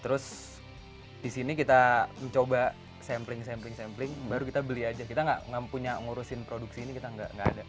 terus di sini kita mencoba sampling sampling sampling baru kita beli aja kita nggak punya ngurusin produksi ini kita nggak ada